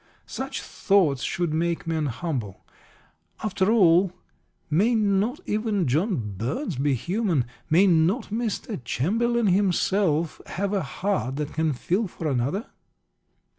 Such thoughts should make men humble. After all, may not even John Burns be human; may not Mr. Chamberlain himself have a heart that can feel for another?